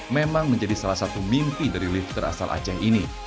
memang menjadi salah satu mimpi dari lifter asal aceh ini